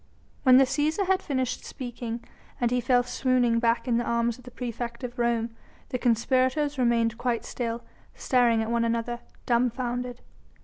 When the Cæsar had finished speaking, and he fell swooning back in the arms of the praefect of Rome, the conspirators remained quite still, staring at one another, dumbfounded.